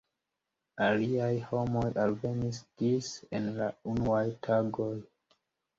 Aliaj homoj alvenis dise en la unuaj tagoj.